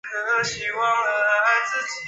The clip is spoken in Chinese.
伊达政宗的外祖父。